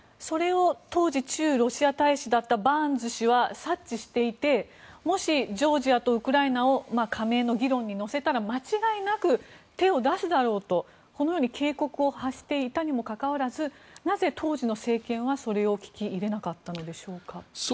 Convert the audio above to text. それを当時駐ロシア大使だったバーンズ氏は察知していてもし、ジョージアとウクライナを加盟の議論に乗せたら間違いなく手を出すだろうとこのように警告を発していたにもかかわらずなぜ、当時の政権はそれを聞き入れなかったのでしょうか。